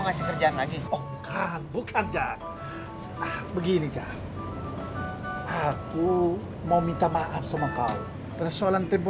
ngasih kerjaan lagi bukan bukan jahat ah begini jah aku mau minta maaf sama kau persoalan tempoh